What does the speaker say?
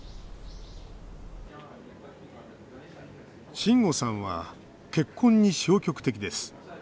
しんごさんは結婚に消極的です。